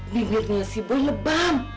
minirnya si boy lebam